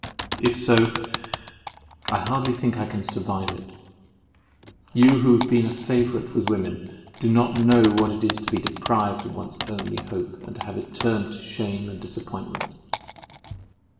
If so, I hardly think I can survive it. You who have been a favourite with women, do not know what it is to be deprived of one's only hope, and to have it turned to shame and disappointment.